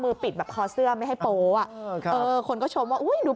ปิดแบบคอเสื้อไม่ให้โป๊ะอ่ะเออคนก็ชมว่าอุ้ยดู